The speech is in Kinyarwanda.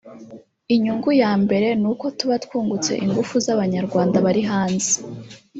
Inyungu ya mbere ni uko tuba twungutse ingufu z’Abanyarwanda bari hanze